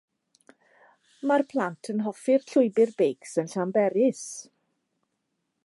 Mae'r plant yn hoffi'r llwybr beics yn Llanberis.